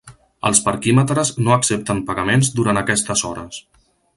Els parquímetres no accepten pagaments durant aquestes hores.